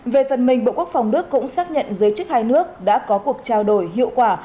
về phần mình bộ quốc phòng đức cũng xác nhận giới chức hai nước đã có cuộc trao đổi hiệu quả